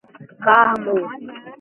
Carmo